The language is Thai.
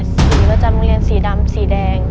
สีประจำโรงเรียนสีดำสีแดง